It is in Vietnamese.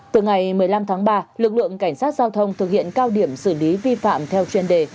từ ngày một mươi năm tháng ba lực lượng cảnh sát giao thông thực hiện cao điểm xử lý vi phạm theo chuyên đề